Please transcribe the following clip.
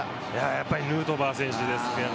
やっぱりヌートバー選手ですよね。